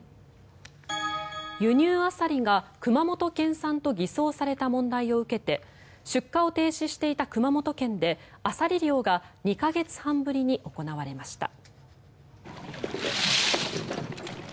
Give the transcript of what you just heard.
輸入アサリが熊本県産と偽装された問題を受けて出荷を停止していた熊本県でアサリ漁が２か月半ぶりに行われました。